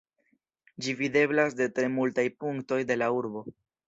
Ĝi videblas de tre multaj punktoj de la urbo.